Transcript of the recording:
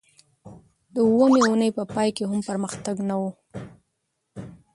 د اوومې اونۍ په پای کې هم پرمختګ نه و